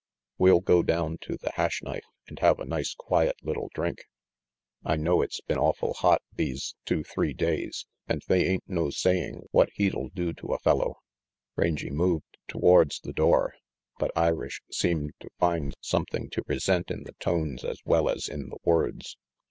"We'll go down to the Hash Knife and have a nice quiet little drink. I know it's been awful hot these two three days, and they ain't no saying what heat'll do to a fellow." Rangy moved towards the door, but Irish seemed to find something to resent in the tones as well as in the words.